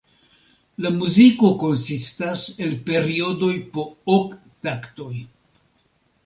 La muziko konsistas el periodoj po ok taktoj.